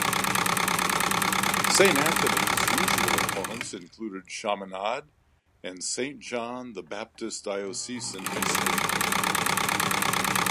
Saint Anthony's usual opponents include Chaminade and Saint John the Baptist Diocesan High School.